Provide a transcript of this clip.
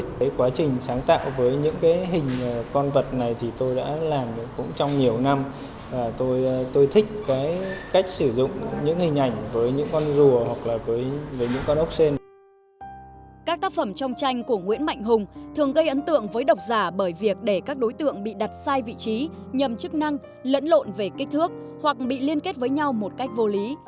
các tác phẩm trong tranh của nguyễn mạnh hùng thường gây ấn tượng với độc giả bởi việc để các đối tượng bị đặt sai vị trí nhầm chức năng lẫn lộn về kích thước hoặc bị liên kết với nhau một cách vô lý